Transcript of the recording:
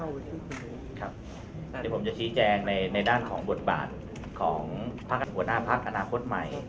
เดี๋ยวผมจะชี้แจงในด้านของบดบานของปรับสุขบรฑนาภักดิ์อนาคตใหม่